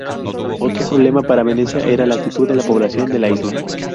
Otro problema para Venecia era la actitud de la población de la isla.